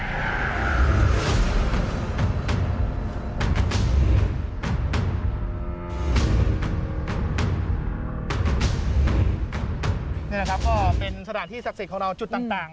นี่แหละครับก็เป็นสถานที่ศักดิ์สิทธิ์ของเราจุดต่าง